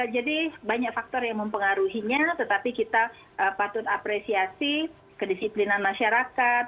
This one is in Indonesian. jadi banyak faktor yang mempengaruhinya tetapi kita patut apresiasi kedisiplinan masyarakat